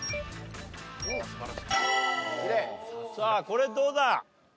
さあこれどうだ？